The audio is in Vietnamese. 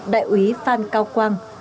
đại úy phan cao quang